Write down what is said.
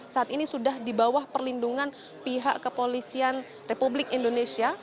saat ini sudah di bawah perlindungan pihak kepolisian republik indonesia